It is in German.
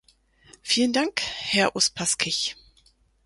Vielen Dank, Herr Uspaskich.